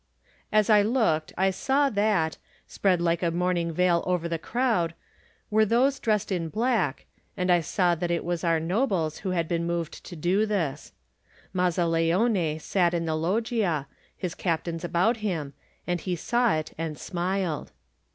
As I looked I saw that, spread like a mourning veil over the crowd, were those dressed in black, and I saw that it was our 9 Digitized by Google THE NINTH MAN nobles who had been moved to do this. Mazzaleone sat in the loggia^ his captains about him, and he saw it and smiled.